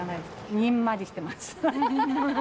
にんまりしてます。